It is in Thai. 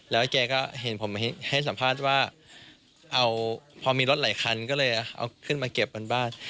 แล้วแกก็เห็นผมให้สัมภาษณ์ว่าเอาพอมีรถหลายคันก็เลยเอาขึ้นมาเก็บบนบ้าน